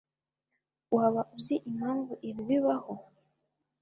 Waba uzi impamvu ibi bibaho?